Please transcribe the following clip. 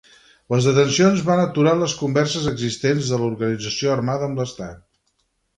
Les detencions van aturar les converses existents de l'organització armada amb l'Estat.